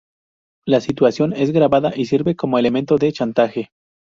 La situación es grabada y sirve como elemento de chantaje.